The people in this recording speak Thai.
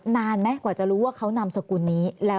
นานไหมกว่าจะรู้ว่าเขานามสกุลนี้